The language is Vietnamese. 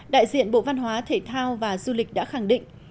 đại diện bộ văn hóa thể thao và du lịch đã khẳng định